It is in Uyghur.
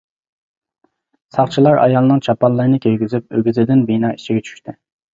ساقچىلار ئايالنىڭ چاپانلىرىنى كىيگۈزۈپ ئۆگزىدىن بىنا ئىچىگە چۈشتى.